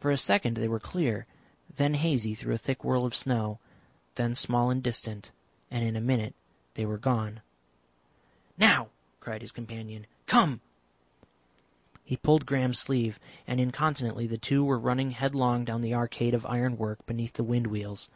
For a second they were clear, then hazy through a thick whirl of snow, then small and distant, and in a minute they were gone. "Now!" cried his companion. "Come!" He pulled Graham's sleeve, and incontinently the two were running headlong down the arcade of iron work beneath the wind wheels.